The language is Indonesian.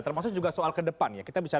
termasuk juga soal ke depan